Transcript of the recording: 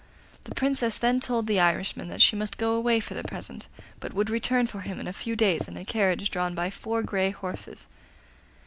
The Princess then told the Irishman that she must go away for the present, but would return for him in a few days in a carriage drawn by four grey horses.